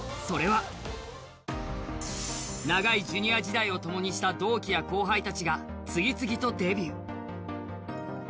それは長いジュニア時代を共にした動機や後輩たちが次々とデビュー。